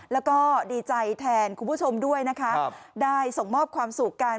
แล้วก็ดีใจแทนคุณผู้ชมด้วยนะคะได้ส่งมอบความสุขกัน